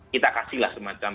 kita kasih lah semacam